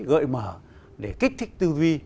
gợi mở để kích thích tư duy